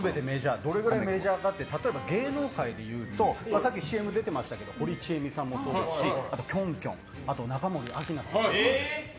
どれぐらいメジャーかって例えば芸能界でいうとさっきＣＭ出てましたけど堀ちえみさんもそうですしキョンキョン、中森明菜さん